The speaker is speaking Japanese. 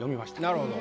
なるほど。